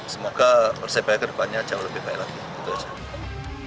semoga persebaya ke depannya jauh lebih baik lagi